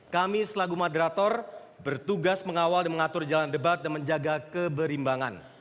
kami selagu moderator bertugas mengawal dan mengatur jalan debat dan menjaga keberimbangan